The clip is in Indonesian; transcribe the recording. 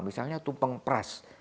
misalnya tumpeng pras